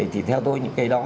thì theo tôi những cái đó